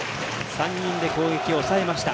３人で攻撃を抑えました。